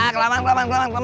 kelaman kelaman kelaman